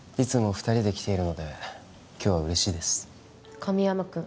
２人で来ているので今日は嬉しいです神山くん